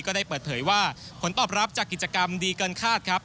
ก็ได้เปิดเผยว่าผลตอบรับจากกิจกรรมดีเกินคาดครับ